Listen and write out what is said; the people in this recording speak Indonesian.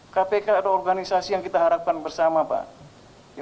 kpk adalah organisasi yang kita harapkan bersama pak